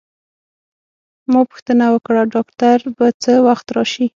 ما پوښتنه وکړه: ډاکټر به څه وخت راشي؟